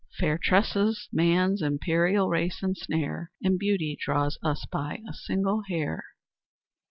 "'Fair tresses man's imperial race ensnare; And beauty draws us by a single hair.'